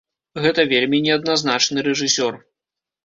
Гэта вельмі неадназначны рэжысёр.